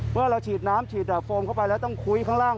เมื่อเราฉีดน้ำฉีดดับโฟมเข้าไปแล้วต้องคุยข้างล่าง